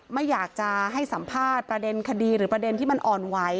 ไม่อยากจะให้สัมภาษณ์ประเด็นคดีหรือประเด็นที่มันอ่อนไหว